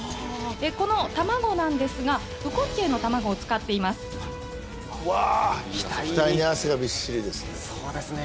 この卵なんですがうこっけいの卵を使っていますうわ額に汗がびっしりですね